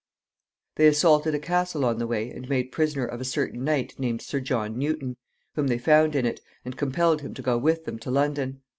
They assaulted a castle on the way, and made prisoner of a certain knight named Sir John Newton, whom they found in it, and compelled him to go with them to London.